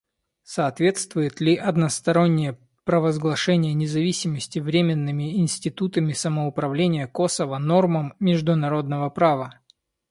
«Соответствует ли одностороннее провозглашение независимости временными институтами самоуправления Косово нормам международного права?».